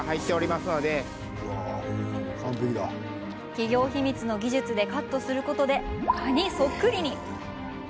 企業秘密の技術でカットすることでカニそっくりに。